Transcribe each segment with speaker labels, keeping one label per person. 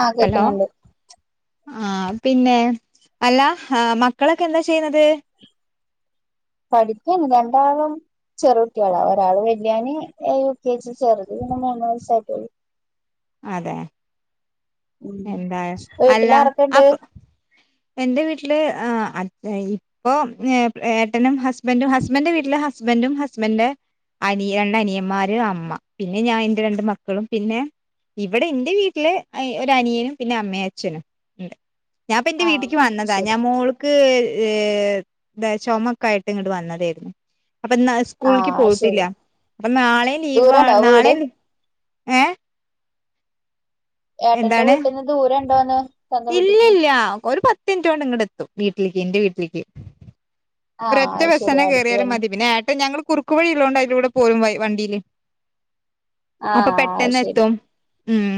Speaker 1: ആഹ്
Speaker 2: hello
Speaker 1: കേക്കുന്നുണ്ട്
Speaker 2: ആഹ് പിന്നെ അല്ല ആ മക്കളൊക്കെ എന്താ ചെയ്യുന്നത്
Speaker 1: പഠിക്കണ് രണ്ടാളും ചെറു കുട്ടികളാ ഒരാള് വല്യോൻ യു കെജി ചെറുത് പിന്നെ മൂന്ന് വയസായിട്ടു
Speaker 2: അതെ
Speaker 1: ഉം
Speaker 2: എന്തായ അല്ല
Speaker 1: വീട്ടിലാരൊക്കെണ്ട്
Speaker 2: അപ്പ എന്റെ വീട്ടില് അച്ഛൻ പ്പൊ ഏട്ടനും ഹസ്ബൻറും ഹസ്ബൻന്റെ വീട്ടിലെ ഹസ്ബൻറും ഹസ്ബന്റ് അനി രണ്ട് അനിയന്മാര് അമ്മ പിന്നെ ഞാൻ എന്റെ രണ്ട് മക്കളും പിന്നെ ഇവിടെന്റെ വീട്ടില് ഒരനിയനും പിന്നെ അമ്മേ അച്ഛനും ഉണ്ട് ഞൻപ്പൊ ന്റെ
Speaker 1: ആഹ്
Speaker 2: വീട്ടിക്ക് വന്നതാ
Speaker 1: ശരി
Speaker 2: ഞാൻ മോള് ൾക്ക് ഏ ന്താ ചുമക്കെ ആയിട്ട് ഇങ്ങോട്ട് വന്നതായിരുന്നു അപ്പൊ ഇന്ന് ആശു സ്കൂളക്ക്
Speaker 1: ആഹ്
Speaker 2: പോയിട്ടില്ല
Speaker 1: ശരി
Speaker 2: അപ്പൊ നാളെ ലീവ്
Speaker 1: ദൂരണ്ടോ
Speaker 2: നാളെ
Speaker 1: വീട്
Speaker 2: നിക്ക് ഏഹ്
Speaker 1: ഏട്ടന്റെ
Speaker 2: എന്താണ്
Speaker 1: വീട്ടിന്ന് ദൂരം ണ്ടോന്ന്
Speaker 2: ഇല്ലില്ല ഒരു പത്ത് മിനിട്ടോണ്ട് ഇങ്ങട് എത്തും വീട്ടിലേക്ക് എന്റെ വീട്ടിലേക്ക്
Speaker 1: ആഹ്
Speaker 2: ഒരറ്റ
Speaker 1: അത്
Speaker 2: ബസ്സ്
Speaker 1: ശരി
Speaker 2: തന്നെ
Speaker 1: അടുത്ത്
Speaker 2: കയറിയാലും
Speaker 1: തന്നെ
Speaker 2: മതി പിന്നെ ഏട്ടൻ ഞങ്ങള് കുറുക്കു വഴി ഇള്ളോണ്ട് അതിലൂടെ പോരും വഴ് വണ്ടിയില് അപ്പൊ
Speaker 1: ആഹ് അത്
Speaker 2: പെട്ടെന്ന്
Speaker 1: ശരി
Speaker 2: എത്തും ഉം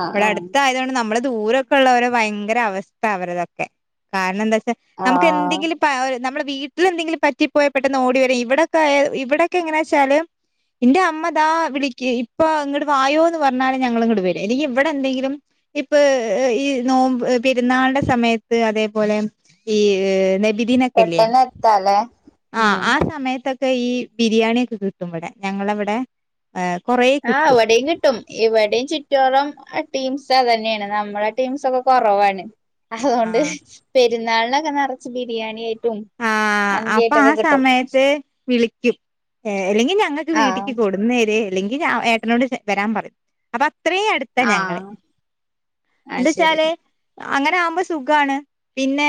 Speaker 1: ആഹ്
Speaker 2: ഇവടെ
Speaker 1: ആഹ്
Speaker 2: അടുത്തയൊണ്ട് നമ്മള് ദൂരൊക്കെ ഉള്ളവരെ ഭയങ്കര അവസ്ഥ അവരതൊക്കെ കാരണം എന്താ വച്ചാൽ നമുക്ക്
Speaker 1: ആഹ്
Speaker 2: എന്തെങ്കിലും പ്പ ആ നമ്മടെ വീട്ടിലെന്തെങ്കിലും പറ്റിപ്പോയാൽ പെട്ടെന്ന് ഓടി വര ഇവിടൊക്കെ ഇവിടെയൊക്കെ എങ്ങനാ വെച്ചാല് എന്റെ അമ്മ ദാ വിളക്ക് ഇപ്പോ ഇങ്ങോട്ട് വായോ എന്ന് പറഞ്ഞാല് ഞങ്ങള് ഇങ്ങട്ട് വരും അല്ലെങ്കിൽ ഇവിടെ എന്തെങ്കിലും ഇപ്പോ ഈ നോമ്പ് പെരുന്നാളിന്റെ സമയത്ത് അതേപോലെ ഈ നബി
Speaker 1: പെട്ടന്നെത്ത അല്ലേ.
Speaker 2: ആഹ് ആ സമയത്തൊക്കെ ഈ ബിരിയാണിയൊക്കെ കിട്ടും ഇവിടെ ഞങ്ങളവിടെ കൊറേ
Speaker 1: ആഹ്
Speaker 2: കിട്ടും
Speaker 1: ഇവടിം കി ട്ടും ഇവിടെയും ചുറ്റോറം ടീംസ് അതന്നെണ് നമ്മളെ ടീംസ് ഒക്കെ കുറവാണ്. അതുകൊണ്ട്
Speaker 2: ആഹ്
Speaker 1: പെരുന്നാളിനൊക്കെ നറച്ച് ബിരിയാണി ആയിട്ടും
Speaker 2: ആ അപ്പോ ആ
Speaker 1: മന്തിയായിട്ടൊക്കെ കിട്ടും
Speaker 2: സമയത്ത് വിളിക്കും അല്ലെങ്കിൽ ഞങ്ങൾക്ക്
Speaker 1: ആഹ്
Speaker 2: വീട്ടിക്ക് കൊടു ന്നരെ അല്ലെങ്കിൽ ഏട്ടനോട് വരാൻ പറയും അപ്പോ ഇത്രയും അടുത്താ ഞങ്ങള്
Speaker 1: ആഹ് അത്
Speaker 2: എന്താ
Speaker 1: ശരി
Speaker 2: വച്ചാല് അങ്ങനെ ആകുമ്പോ സുഖാണ്. പിന്നെ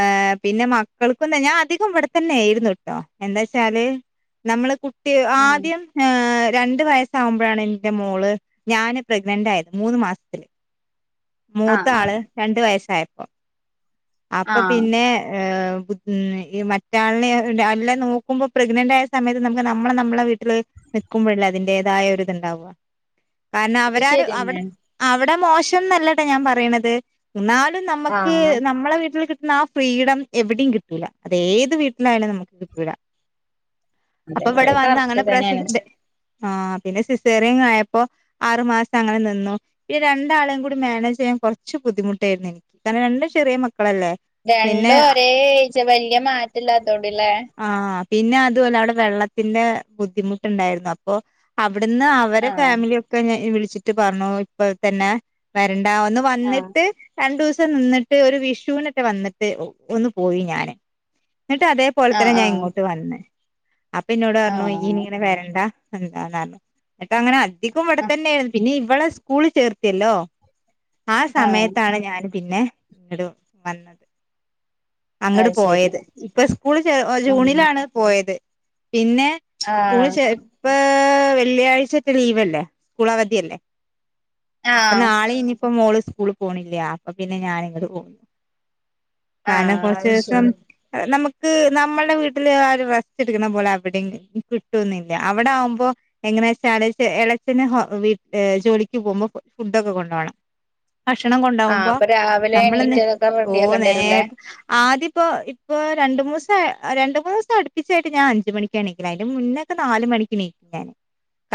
Speaker 2: ഏ പിന്നെ കേൾക്കുന്ന ഞാൻ അധികം ഇവിടെത്തന്നെ ആയിരുന്നു കേട്ടോ, എന്താ ച്ചാല് നമ്മള് കുട്ടി
Speaker 1: ആഹ്
Speaker 2: ആദ്യം ആ രണ്ടു വയസ്സാവുമ്പോഴാണ് എന്റെ മോള് ഞാന് പ്രഗ്നന്റ് ആയത് മൂന്ന് മാസത്തില്
Speaker 1: ആഹ്
Speaker 2: മൂത്ത
Speaker 1: ആഹ്
Speaker 2: ആള് രണ്ടു വയസ്സായപ്പോ അപ്പോ
Speaker 1: ആഹ്
Speaker 2: പിന്നെ ഉം ഈ മറ്റാളിനെ അല്ല നോക്കുമ്പോ പ്രഗ്നന്റ് ആയ സമയത്ത് നമുക്ക് നമ്മളെ നമ്മളെ വീട്ടില് നിൽക്കുമ്പോഴല്ലേ അതിന്റേതായ ഒരിത്ണ്ടാവുകവാ കാരണം
Speaker 1: അത്
Speaker 2: അവരാരു അവിടെ
Speaker 1: ശരിന്നെയാണ്
Speaker 2: അവിടെ മോശന്നല്ലട്ടാ ഞാൻ പറയണത്. എന്നാലും നമുക്ക്
Speaker 1: ആഹ്
Speaker 2: നമ്മളെ വീട്ടിൽ കിട്ടുന്ന ആ ഫ്രീഡം എവിടെയും കിട്ടൂല്ല, അത് ഏത് വീട്ടിലായാലും നമുക്ക് കിട്ടുല.
Speaker 1: അതെ
Speaker 2: അപ്പോ ഇവിടെ
Speaker 1: അത്
Speaker 2: വന്ന്
Speaker 1: കറക്റ്റ്
Speaker 2: അങ്ങനെ പ്രസ
Speaker 1: തന്നെയാണ്
Speaker 2: ആഹ പിന്നെ സിസേറിയൻ ആയപ്പോ ആറു മാസം അങ്ങനെ നിന്നു, ഈ രണ്ടാളെയും കൂടി മാനേജ് ചെയ്യാൻ കുറച്ച് ബുദ്ധിമുട്ടായിരുന്നു എനിക്ക് കരണം രണ്ടും ചെറിയ മക്കളല്ലേ പിന്നെ
Speaker 1: രണ്ടും ഒരേ ഏജ വലിയ മാറ്റല്ലാതോണ്ടല്ലേ.
Speaker 2: ആഹ് പിന്നെ അതും അല്ല അവിടെ വെള്ളത്തിന്റെ ബുദ്ധിമുട്ടുണ്ടായിരുന്നു അപ്പോ അവിടുന്ന് അവരെ
Speaker 1: ആഹ്
Speaker 2: ഫാമിലിയൊക്കെ ഞ വിളിച്ചിട്ട് പറഞ്ഞു ഇപ്പ തന്നെ വരണ്ട, ഒന്ന്
Speaker 1: ആഹ്
Speaker 2: വന്നിട്ട് രണ്ടു ദിവസം നിന്നിട്ട് ഒരു വിഷുനറ്റെ വന്നിട്ട് ഒന്നു പോയി ഞാന്, എന്നിട്ട് അതേ പോലെ
Speaker 1: ആഹ്
Speaker 2: തന്നെ ഞാൻ
Speaker 1: ആഹ്
Speaker 2: ഇങ്ങോട്ട് വന്ന്, അപ്പോ ഇന്നോട് പറഞ്ഞു ഇയ്യ്
Speaker 1: ആഹ്
Speaker 2: ഇനി ഇങ്ങനെ വരണ്ട. ന്നാറഞ്ഞു, എന്നിട്ടങ്ങനെ അധികം ഇവിടെ
Speaker 1: ആഹ്
Speaker 2: തന്നെ ആയിരുന്നു, പിന്നെ ഇവളെ സ്കൂൾ ചേർത്തിയല്ലോ. ആ
Speaker 1: ആഹ്
Speaker 2: സമയത്താണ് ഞാൻ പിന്നെ ഇങ്ങോട് വന്നത്. അങ്ങോട്ട്
Speaker 1: അത് ശരി
Speaker 2: പോയത് ഇപ്പോ സ്കൂള്
Speaker 1: ഉം
Speaker 2: ജൂണിലാണ് പോയത്. പിന്നെ സ്കൂള്
Speaker 1: ആഹ്
Speaker 2: ചേ ഇപ്പോ വെള്ളിയാഴ്ച്ചറ്റ ലീവല്ലേ സ്കൂൾ അവധിയല്ലേ? അപ്പോ
Speaker 1: ആഹ്
Speaker 2: നാളെ ഇനിയിപ്പോ മോള് സ്കൂള് പോണില്ല, അപ്പോ പിന്നെ ഞാന് ഇങ്ങോട് പോന്നു.
Speaker 1: ആഹ്
Speaker 2: കാരണം
Speaker 1: അത്
Speaker 2: കൊറച്ചീസം
Speaker 1: ശരി
Speaker 2: നമുക്ക് നമ്മളുടെ വീട്ടില് ആ ഒരു റസ്റ്റ് എടുക്കുന്ന പോലെ അവിടെ കിട്ടൊന്നില്ല അവിടെ ആകുമ്പോ എങ്ങന വെച്ചാല് ഇളച്ചന് ഹോ വി ജോലിക്ക് പോകുമ്പോ ഫുഡ്ഡക്കെ കൊണ്ടോണം. ഭക്ഷണം
Speaker 1: ആഹ്
Speaker 2: കൊണ്ടാവുമ്പോ
Speaker 1: അപ്പൊ രാവിലെ
Speaker 2: നമ്മളന്ന്
Speaker 1: എണീറ്റ് അതൊക്കെ
Speaker 2: ഓ
Speaker 1: റെഡിയാക്കേണ്ടി
Speaker 2: നേ
Speaker 1: വരൂല്ലേ
Speaker 2: ആദ്യ ഇപ്പോ ഇപ്പോ രണ്ടു മൂന്നിസം രണ്ട് മൂന്ന് ദിവസം അടുപ്പിച്ചായിട്ട് ഞാൻ അഞ്ച് മണി എണീക്കല് അതിന്റെ മുന്നക്കെ നാല് മണിക്ക് നീക്കും ഞാന്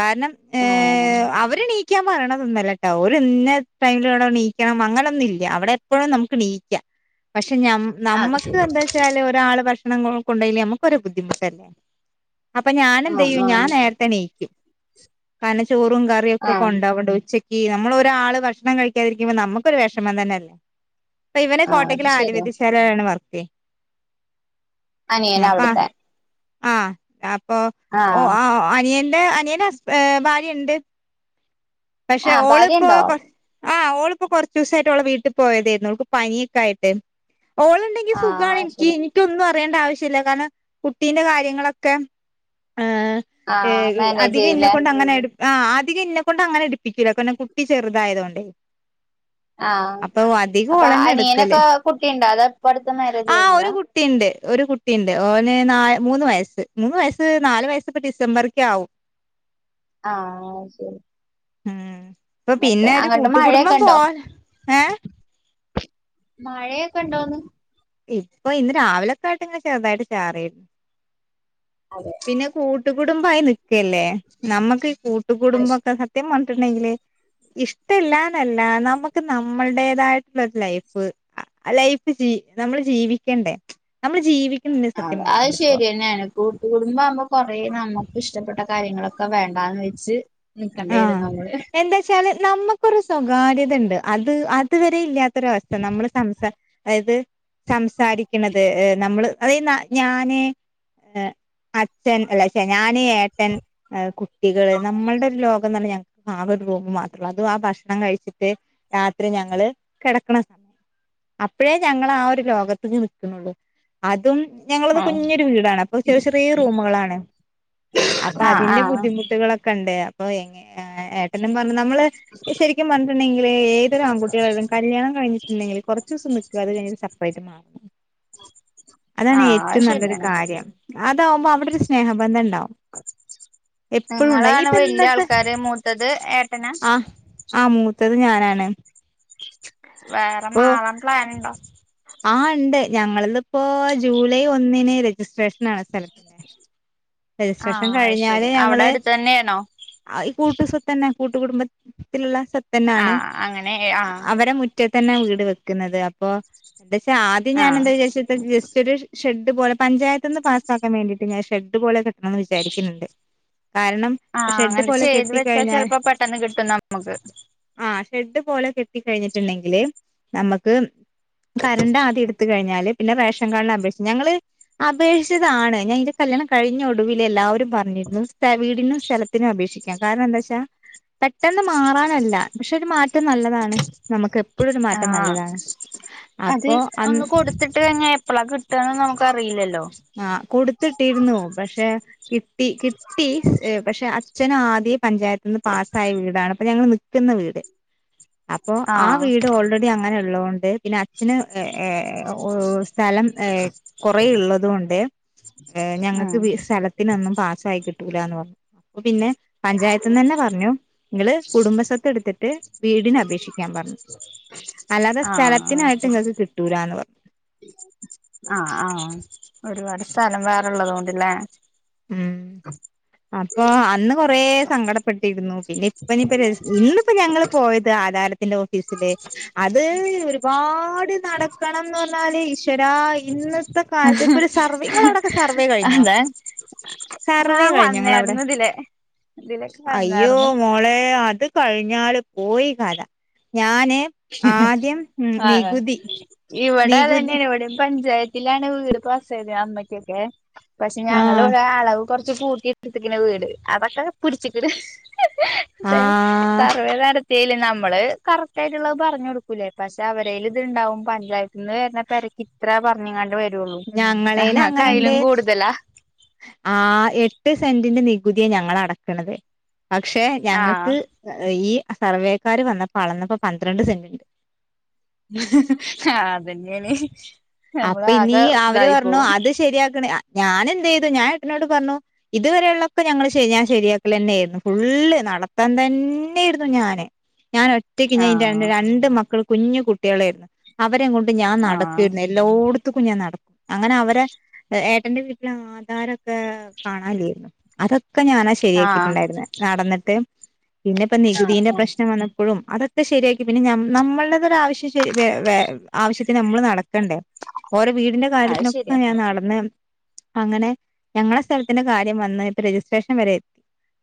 Speaker 2: കാരണം
Speaker 1: ആഹ്
Speaker 2: അവര് നീക്ക നിക്കാൻ പറയണതൊന്നല്ലട്ടോ ഒരു ഇന്ന ടൈമില ഇവിടെ നീക്കണം അങ്ങനൊന്നും ഇല്ല. അവിടെ എപ്പോഴും നമുക്ക് നീക്കാം, പക്ഷേ നമ്മ
Speaker 1: അത്
Speaker 2: നമ്മക്ക്
Speaker 1: ശരി
Speaker 2: എന്താ വച്ചാല് ഒരാള് ഭക്ഷണങ്ങളും കൊണ്ടോയില്ലേ നമ്മക്കൊരു ബുദ്ധിമുട്ടല്ലേ അപ്പോ
Speaker 1: ആഹ്
Speaker 2: ഞാനെന്തയ്യും ഞാൻ
Speaker 1: ആഹ്
Speaker 2: നേരെ ത്തെണിക്കും കാരണം ചോറും കറിയൊക്കെ
Speaker 1: ആഹ്
Speaker 2: കൊണ്ടാവണ്ട ഉച്ചക്ക് ക്ക്, നമ്മള് ഒരാൾ ഭക്ഷണം കഴിക്കാതിരിക്കുമ്പോൾ നമ്മക്കൊരു വിഷമം തന്നെ അല്ലേ? ഇപ്പോ ഇവന്
Speaker 1: ആഹ്
Speaker 2: കോട്ടക്കൽ
Speaker 1: അത് ശരിയാ
Speaker 2: ആര്യവൈദ്യശാലെലാണ് വർക്ക്.
Speaker 1: അനിയനാ
Speaker 2: അപ്പ
Speaker 1: അവിടുത്തെ
Speaker 2: ആഹ് അപ്പോ
Speaker 1: ആഹ്
Speaker 2: ഓഹ് അനിയൻ അനിയന് ഹസ്ബ ഭാര്യണ്ട്. പക്ഷേ
Speaker 1: ആഹ്
Speaker 2: ഓള് ഇപ്പോ
Speaker 1: ഭാര്യയുണ്ടോ
Speaker 2: പ്ലസ് ആഹ് ഓളിപ്പോൾ കുറച്ച ദിവസായിട്ട് ഓളെ വീട്ടിൽ പോയതായിരുന്നു പനിയൊക്കെ ആയിട്ട് ഓളുണ്ട ഇന്ക്
Speaker 1: ആഹ് അത്
Speaker 2: സുഗായിക്ക്
Speaker 1: ശരി
Speaker 2: എനിക്ക് ഒന്നും അറിയേണ്ട ആവശ്യമില്ല കാരണം കുട്ടീന്റെ കാര്യങ്ങളൊക്കെ ഏഹ് ഏ
Speaker 1: ആഹ് മാനേജ്
Speaker 2: അധികം ഇന്നെ
Speaker 1: ചെയ്യൂലേ
Speaker 2: കൊണ്ട് അങ്ങനെ എടു ആ ആധികം ഇന്നെ കൊണ്ട് അങ്ങനെ അടുപ്പിക്കൂല കാരണം കുട്ടി ചെറുതായത കൊണ്ടേ
Speaker 1: ആഹ്
Speaker 2: അപ്പൊ അധിക
Speaker 1: അപ്പൊ
Speaker 2: ഓളെന്നെ
Speaker 1: അനിയനൊക്കെ കുട്ടിയുണ്ടോ അതോ ഇപ്പ അടുത്ത് മാരേജ്
Speaker 2: എടുക്കല്ആ ഒരു
Speaker 1: കഴിഞ്ഞതാ
Speaker 2: കുട്ടിയുണ്ട് ഒരു കുട്ടിയുണ്ട് ഓന് ന മൂന്ന് വയസ്സ് മൂന്ന് വയസ് നാ വയസ്സ്പ്പോ ഡിസംബർക്ക ആകും
Speaker 1: ആഹ ഓ ശരി
Speaker 2: ഉം ഇപ്പ
Speaker 1: മറ്റേ
Speaker 2: പിന്നെ ഒരു
Speaker 1: അങ്ങോട്ട് മഴയൊക്കെ
Speaker 2: കൂട്ടുകടുംബം പോ
Speaker 1: ഉണ്ടോ
Speaker 2: ഏഹ്
Speaker 1: മഴയൊക്കെ ഉണ്ടോന്ന്
Speaker 2: ഇപ്പ ഇന്ന് രാവിലൊക്കെ ആയിട്ട് ങ്ങനെ ചെറുതായിട്ട് ചാറിയേരുന്നു.
Speaker 1: അതെ
Speaker 2: പിന്നെ കൂ കൂട്ടുകുടുംബായി നിക്കല്ലേ. നമ്മക്ക് ഈ കൂട്ടുകുടുബംക്കെ സത്യം പറഞ്ഞിട്ടുണ്ടെങ്കില് ഇഷ്ടല്ലാന്നല്ല നമുക്ക് ന നമ്മൾടേതായിട്ടുള്ള ഒരു ലൈഫ് ലൈഫ് ജീ നമ്മള് ജീവിക്കണ്ടേ? നമ്മള് ജീവിക്കുന്ന [unintelligible] സത്യം പറഞ്ഞാല് ഇപ്പോ.
Speaker 1: കൂട്ടു കുടുംബാകുമ്പോ കൊറേ നമുക്ക് ഇഷ്ടപ്പെട്ട കാര്യങ്ങളൊക്കെ വേണ്ടാന്ന് വെച്ച് നിക്കണ്ടി വരും
Speaker 2: ആഹ്
Speaker 1: നമ്മള്
Speaker 2: എന്തച്ചാല് നമ്മുക്കൊരു സ്വകാര്യതണ്ട്. അത് അത് വരെ ഇല്ലാത്ത ഒരവസ്ഥ. നമ്മള് സംസ അതായ്ത് സംസാരിക്കണത് ഏ നമ്മള് അതയ്ത് ഞാന് അച്ഛൻ അല്ലെ ശെ ഞാന്, ഏട്ടൻ, കുട്ടികള് നമ്മൾടെ ലോകം തന്നെ ഞങ്ങക്ക് ആകെ ഒരു റൂം മാത്രാ. അത് ആ ഭക്ഷണം കഴിച്ചിട്ട് രാത്രി ഞങ്ങള് കെടക്കണ അപ്പഴേ ഞങ്ങള് ആ ഒരു ലോകത്ത് നിൽക്കുന്നുള്ളൂ. അതും ഞങ്ങളത്
Speaker 1: ആഹ്
Speaker 2: കുഞ്ഞിരു വീടാണ്. അപ്പ ചെറിയ ചെറിയ റൂമുകളാണ്. അപ്പ
Speaker 1: ആഹ്
Speaker 2: അതിന്റെ
Speaker 1: ആഹ്
Speaker 2: ബുദ്ധിമുട്ടുകളൊക്കെണ്ട്. അപ്പൊ എ ഏട്ടനും പറഞ് നമ്മള് ഇത് ശരിക്കും പറഞ്ഞിട്ടുണ്ടെങ്കില് ഏതൊരു ആൺുട്ടികളായാലും കല്യാണം കഴിഞ്ഞിട്ടുണ്ടെങ്കില് കുറച്ചോസം നിക്ക. അത് കഴിഞ്ഞിട്ടു സപ്പറേറ്റ് മാറാ. അതാണ്
Speaker 1: ആഹ്
Speaker 2: ഏറ്റവും
Speaker 1: അത്
Speaker 2: നല്ലൊരു
Speaker 1: ശരിയാണ്
Speaker 2: കാര്യം അതാവുമ്പോ അവിടെ ഒരു സ്നേഹബന്ധണ്ടാവും. എപ്പഴും ഉണ്ടാവും. ഇതെന്ന്
Speaker 1: കാര് മൂത്തത് ഏട്ടന
Speaker 2: ആഹ് മൂത്തത് ഞാനാണ്.
Speaker 1: വേറെ
Speaker 2: അപ്പൊ
Speaker 1: മാറാൻ പ്ലാനുണ്ടോ?
Speaker 2: ആഹ് ഉണ്ട് ഞങ്ങള ഇപ്പോ ജൂലൈ ഒന്നിന് രജിസ്ട്രേഷനാണ് സ്ഥലത്തിന്റെ. രജിസ്ട്രേഷൻ
Speaker 1: ആഹ് അയ്ശരി. അവിടെ അടുത്ത് തന്നെയാണോ?
Speaker 2: അ ഈ കൂട്ടു സ്വത്ത്ന്നെ. കൂട്ടുകടുംബത്തിലുള്ള സ്വത്ത് തന്നെയാണ്.
Speaker 1: ആഹ് അങ്ങനെ ആഹ്
Speaker 2: അവരെ മു റ്റത്ത് തന്നാ വീട് വെക്കുന്നത്. അപ്പോ എന്താച്ചാ ആദ്യം ഞാൻ എന്താ
Speaker 1: ആഹ്
Speaker 2: വിചാരിച്ചത് ജസ്റ്റ് ഒരു ഷെഡ് പോലെ പഞ്ചായത്ത് നിന്ന് പാസ്സാക്കാൻ വേണ്ടിയിട്ട് ഞാൻ ഷെഡ് പോലെ കെട്ടാന്ന് വിചാരിക്കന്ന്ണ്ട്. കാരണം ഇപ്പ
Speaker 1: ആഹ്
Speaker 2: ഷെഡ്
Speaker 1: അങ്ങനെ
Speaker 2: പോലെ
Speaker 1: ചെയ്ത് വെച്ചാ
Speaker 2: കെട്ടിക്കഴിഞ്ഞാൽ
Speaker 1: ചെലപ്പോ പെട്ടെന്ന് കിട്ടും നമ്മക്ക്.
Speaker 2: ആഹ് ഷെഡ് പോലെ കെട്ടിക്കഴിഞ്ഞിട്ടുണ്ടെങ്കില് നമ്മക്ക് കറണ്ട് ആദ്യം എടുത്ത് കഴിഞ്ഞാല് പിന്നെ റേഷൻ കാർഡിന് അപേക്ഷിച്ച ഞങ്ങള് അപേക്ഷിച്ചതാണ്. ഞാൻ ഇന്റെ കല്യാണം കഴിഞ്ഞ ഒടുവില് എല്ലാവരും പറഞ്ഞു വീടിനും സ്ഥലത്തിനും അപേക്ഷി ക്കാം. കാരണം എന്താ വെച്ചാ പെട്ടെന്ന് മാറാനല്ല പക്ഷെ ഒരു മാറ്റം നല്ലതാണ്. നമുക്ക് എപ്പഴും ഒരു മാറ്റം
Speaker 1: ആഹ്
Speaker 2: നല്ലതാണ്. അപ്പൊ അന്ന്
Speaker 1: ഇത്തിട്ട് കഴിഞ്ഞാ എപ്പഴാ കിട്ടുവന്ന് നമുക്കറിയില്ലല്ലോ.
Speaker 2: ആഹ് കൊടുത്തിട്ടിരുന്നു പക്ഷെ കിട്ടി കിട്ടി. പക്ഷെ അച്ഛന് ആദ്യേ പഞ്ചായത്ത് നിന്ന് പാസ്സായ വീടാണ്. അപ്പൊ ഞങ്ങള് നിക്കുന്ന വീട്. അപ്പൊ ആ
Speaker 1: ആഹ്
Speaker 2: വീട് ഓൾറെഡി അങ്ങനെ ഉള്ളതൊണ്ട് പിന്നെ അച്ഛന് സ്ഥലം കുറെള്ളതുകൊണ്ട് ഏ
Speaker 1: ഉം
Speaker 2: ഞങ്ങക്ക് സ്ഥലത്തിനൊന്നും പാസ്സായി കിട്ടൂല്ലാന്ന് പറഞ്ഞു. അപ്പൊ പിന്നെ പഞ്ചായത്ത്ന്നന്നെ പറഞ്ഞു. നിങ്ങള് കുടുംബസ്വത്തെടുത്തിട്ട് വീടിന് അപേക്ഷിക്കാൻ പറഞ്ഞു. അല്ലാതെ
Speaker 1: ആഹ് അത്
Speaker 2: സ്ഥലത്തിനായിട്ട്
Speaker 1: ശരി
Speaker 2: നിങ്ങൾക്ക് കിട്ടൂലാന്ന് പറഞ്ഞു.
Speaker 1: ആഹ് ആഹ് ഒരുപാട് സ്ഥലം വേറെ ഉള്ളതോണ്ട്ല്ലേ.
Speaker 2: ഉം
Speaker 1: [unintelligible]
Speaker 2: അപ്പൊ അന്ന് കൊറേ സങ്കടപ്പെട്ടിരുന്നു. പിന്നെ ഇപ്പനിപ്പ ഇന്നിപ്പ ഞങ്ങള് പോയത് ആധാര ഇല്ല ഓഫീസില് അത് ഒരുപാട് നടക്കണംന്ന് പറഞ്ഞാല് ഈശ്വരാ ഇന്ന് ഇന്നത്തെ കാലത്ത് ഇപ്പൊ ഒരു സർവേ നിങ്ങളവിടൊക്കെ സർവേ കഴിഞ്ഞോ
Speaker 1: അതെ
Speaker 2: സർവേ
Speaker 1: ആഹ്
Speaker 2: കഴിഞ്ഞോ നിങ്ങളവിടെ
Speaker 1: വന്നായിരുന്നു ഇതിലെ ഇതിലൊക്കെ
Speaker 2: അയ്യോ
Speaker 1: വന്നായിരുന്നു
Speaker 2: മോളെ അത് കഴിഞ്ഞാല് പോയി കഥ ഞാന് ആദ്യം ഉം
Speaker 1: ആണോ
Speaker 2: നികുതി നികുതി
Speaker 1: ഇവിടതന്നെയാണ് ഇവിടെയും പഞ്ചായത്ത് വീട്ടിലാണ് വീട് പസായത് അമ്മയ്ക്കൊക്കെ പക്ഷെ
Speaker 2: ആഹ്
Speaker 1: ഞങ്ങളിവിടെ അളവും കൊറച്ച് കൂട്ടിയെടുത്തിരിക്കുന്ന വീട് അതൊക്കെ പിടിച്ചിക്കിട് പക്ഷെ
Speaker 2: ആഹ്
Speaker 1: സർവേ നടത്തിയല് നമ്മള് കറക്റ്റ് ആയിട്ട പറഞ്ഞു കൊടുക്കൂലേ പക്ഷെ അവരേലിത് ഇണ്ടാവും പഞ്ചായത്ത്ന്ന് വരുന്ന പെരക്ക് ഇത്ര പറഞ്ഞിങ്ങാണ്ട്
Speaker 2: ഞങ്ങളേല്
Speaker 1: ങ്ങ ക്കയിലും
Speaker 2: അങ്ങനെണ്ട്
Speaker 1: കൂടുതലാ
Speaker 2: ആ എട്ട് സെന്റിന്റെ നികുതിയെ ഞങ്ങളടക്കണത് പക്ഷെ
Speaker 1: ആഹ്
Speaker 2: ഞങ്ങൾക്ക് ഈ സർവേക്കാര് വന്നപ്പോ അളന്നപ്പോ പന്ത്രണ്ട് സെന്റിണ്ട്
Speaker 1: അതന്നെയാണ് നമ്മളാകെ ഇതായി പോവും
Speaker 2: ഇത് ശരിയാക്കണെ ഞാനെന്ത് ചെയ്തു ഞാൻ എട്ടനോട് പറഞ്ഞു ഇതുവരെയുള്ളൊക്കെ ഞങ്ങള് ശരി ഞാൻ ശരിയാക്കൽ തന്നെയായിരുന്നു ഫുള്ള് നടത്തം തന്നെയിരുന്നു ഞാന് ഞാൻ ഒറ്റയ്ക്ക് ഞാൻന്റെ
Speaker 1: ആഹ്
Speaker 2: രണ്ട് മക്കൾ കുഞ്ഞു കുട്ടികളായിരുന്നു അവരെയും കൊണ്ട് ഞാൻ
Speaker 1: ആഹ്
Speaker 2: നടക്കരുന്നു എല്ലോട്ത്ത്ക്കും ഞാൻ നടന്നു അങ്ങനെ അവരെ ഏട്ടന്റെ വീട്ടിലെ ആ ധാരൊക്കെ കാണാല്ല്യേര്ന്നു അതൊക്കെ ഞാനാ
Speaker 1: ആഹ്
Speaker 2: ശരിയാക്കിയിട്ടുണ്ടായിരുന്ന് നടന്നിട്ട്. പിന്നെപ്പം നികുതീന്റെ
Speaker 1: ആഹ്
Speaker 2: പ്രശ്നം വന്നപ്പഴും അതൊ ക്കെ ശരിയാക്കി പിന്നെ നമ്മൾടെതൊരാവശ്യം ശരി വേ വേ ആവശ്യത്തിന് നമ്മള് നടക്കണ്ടേ. ഓരെ വീടിന്റെ
Speaker 1: അത്
Speaker 2: കാര്യത്തിനൊക്കെ
Speaker 1: ശരിയാ
Speaker 2: ഞാൻ നടന്ന് അങ്ങനെ ഞങ്ങളെ സ്ഥലത്തിന്റെ കാര്യം വന്ന് ഇപ്പം രജിസ്ട്രേഷൻ വരെ എ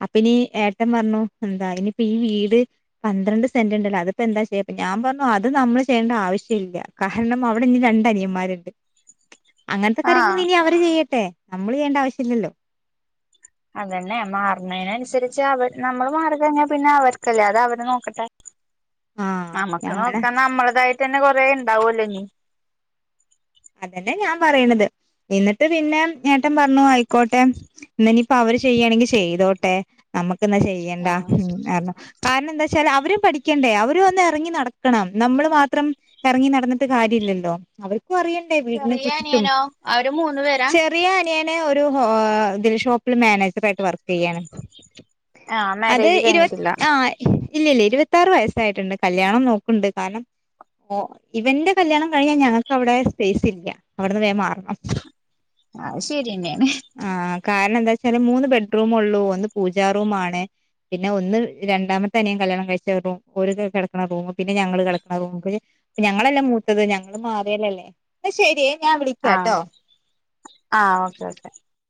Speaker 2: അപ്പനീ ഏട്ടം പർഞ്ഞു എന്താ ഇനിപ്പീ ഈ വീട് പന്ത്രണ്ട് സെന്റ് ഇണ്ടല്ലോ അതിപ്പം എന്താ ചെയ്യാപ്പൊ ഞാൻ പർഞ്ഞു അത് നമ്മള് ചെയ്യണ്ട ആവശ്യം ഇല്ല. കാരണം അവടെ ഇഞ്ഞ് രണ്ട് അനിയന്മാര്ണ്ട്. അങ്ങൻത്തെ കാര്യങ്ങൾ
Speaker 1: ആഹ്
Speaker 2: ഇനി അവര് ചെയ്യട്ടെ, നമ്മള് ചെയ്യണ്ട ആവശ്യല്ലല്ലോ.
Speaker 1: അതന്നെ മാറ്ണയ്നനുസരിച്ച് അവ നമ്മള് മാറികഴിഞ്ഞാ പിന്നെ അവർക്കല്ലേ അത് അവര് നോക്കട്ടെ.
Speaker 2: [inaudible]
Speaker 1: നമ്മക്ക്
Speaker 2: ഞാന
Speaker 1: നോക്കാൻ നമ്മളതായിട്ട്ന്നെ കൊറേ ണ്ടാവുല്ലോ ഇനി.
Speaker 2: അതന്നെ ഞാൻ പറയണത് എന്നിട്ട് പിന്നെ ഏട്ടൻ പറഞ്ഞു ആയിക്കോട്ടെ ഇന്നാ ഇനിപ്പം അവര് ചെയ്യാണെങ്കി ചെയ്തോട്ടെ ന്നമ്മക്ക്ന്നാ ചെയ്യണ്ട ഉം ന്നർഞ്ഞു. കാരണം എന്താച്ചാല് അവര് പഠിക്കണ്ടേ അവരും ഒന്ന് എറങ്ങി നടക്കണം നമ്മള് മാത്രം എറങ്ങി നടന്നിട്ട് കാര്യല്ലല്ലോ അവർക്കു അറിയ
Speaker 1: ചെറിയനിയനോ അവര് മൂന്ന് പേരാ?
Speaker 2: ചെറിയ അനിയന് ഒരു ഹോ ഇതില് ഷോപ്പില് മാനേ റൊക്കായിട്ട് വർക്ക്യ്യാണ്,
Speaker 1: ആഹ്
Speaker 2: അത്
Speaker 1: മാരേജ്
Speaker 2: ഇരുപ
Speaker 1: കഴിഞ്ഞിട്ടില്ല
Speaker 2: ആഹ് ഇല്ല ഇല്ല ഇരുപത്താറ് വയസ്സായിട്ടുണ്ട് കല്യാണം നോക്ക്ണ്ട് കാരണം ഓ ഇവന്റെ കല്യാണം കഴിഞ്ഞാ ഞങ്ങക്ക് അവടെ സെപേയ്സ് ഇല്ല അവടന്ന് വേം മാറണം.
Speaker 1: ആയ് ശര്യന്നേണ്.
Speaker 2: ആഹ് കാരണം എന്താച്ചാല് മൂന്ന് ബെഡ്റൂമൊള്ളൂ ഒന്ന് പൂജാറൂമാണ്. പിന്നെ ഒന്ന് രണ്ടാമത്തെനിയൻ കല്യാണം കഴിച്ച റൂം ഓര്ക്ക് കെടക്ക്ണ റൂം പിന്നെ ഞങ്ങള് കെടക്ക്ണ റൂമ് ഞങ്ങളല്ലേ മൂത്തത് ഞങ്ങള് മാറ്യാലല്ലേ എന്നാ ശെരിയെ ഞാൻ
Speaker 1: ആഹ്
Speaker 2: വിളിക്കാട്ടോ.
Speaker 1: ആഹ് ഓക്കെ ഓക്കെ